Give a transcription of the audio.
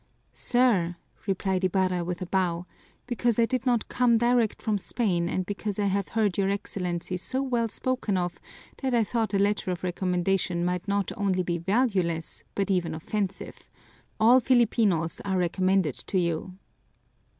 "Sir," replied Ibarra with a bow, "because I did not come direct from Spain and because I have heard your Excellency so well spoken of that I thought a letter of recommendation might not only be valueless but even offensive; all Filipinos are recommended to you."